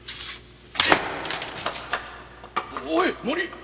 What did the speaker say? おい森！